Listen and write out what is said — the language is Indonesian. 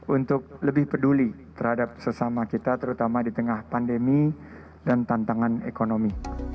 untuk lebih peduli terhadap sesama kita terutama di tengah pandemi dan tantangan ekonomi